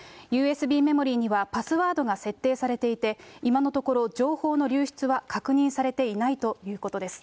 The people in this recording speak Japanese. ＵＳＢメモリーにはパスワードが設定されていて、今のところ、情報の流出は確認されていないということです。